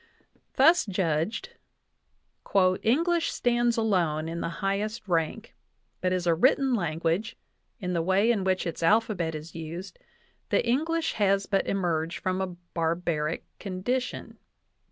Thus judged, "English stands alone in the highest rank; but as a written language, in the way in which its alphabet is used, the English has but emerged from a barbaric condition" (16).